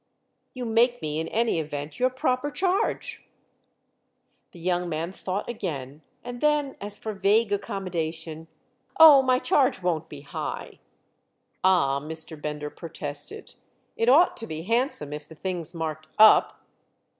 "You make me in any event your proper charge." The young man thought again, and then as for vague accommodation: "Oh, my charge won't be high!" "Ah," Mr. Bender protested, "it ought to be handsome if the thing's marked up!"